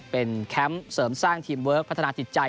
เป็นแคมป์เสริมสร้างทีมเวิร์คพัฒนาจิตใจ